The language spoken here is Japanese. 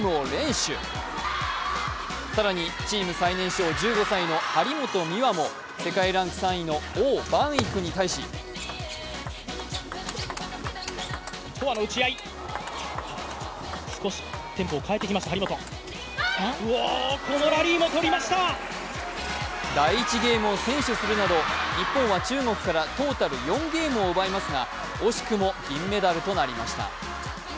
すると、平野美宇は更にチーム最年少１５歳の張本美和も世界ランク３位の王曼イクに対し第１ゲームを先取するなど、日本は中国からトータル４を奪いますが、惜しくも銀メダルとなりました。